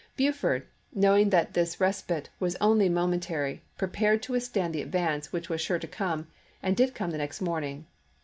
Buford, knowing that this respite was only momentary, prepared to with stand the advance which was sure to come, and did come the next morning.